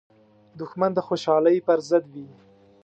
دښمن د خوشحالۍ پر ضد وي